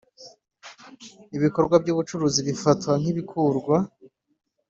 Ibikorwa by ubucuruzi bifatwa nk ibikurwa